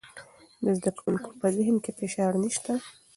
د زده کوونکو په ذهن کې فشار نشته.